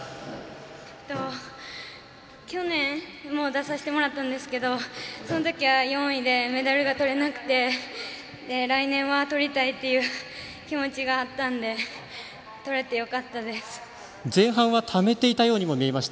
去年も出させてもらったんですがそのときは４位でメダルが取れなくて来年は取りたいっていう気持ちがあったんで前半はためていたようにも見えました。